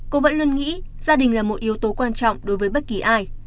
cô vẫn luôn nghĩ gia đình là một yếu tố quan trọng đối với bất kỳ ai